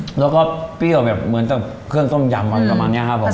อือแล้วก็เปรี้ยวแบบเหมือนก็เครื่องส้มยำทำเอิ่มประมาณเนี้ยครับผม